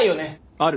ある。